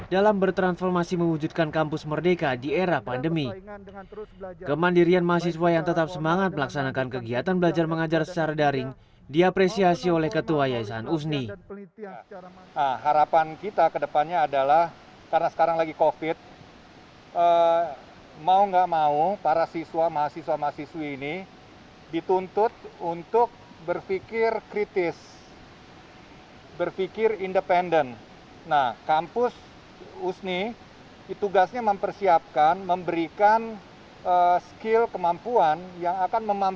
dan bisa juga mereka dimana sekalipun bisa mengandungkan dirinya